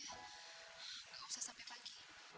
nggak usah sampai pagi